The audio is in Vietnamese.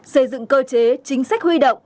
xây dựng cơ chế chính sách huy động